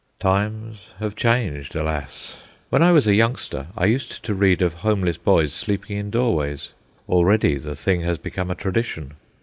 Times have changed, alas! When I was a youngster I used to read of homeless boys sleeping in doorways. Already the thing has become a tradition.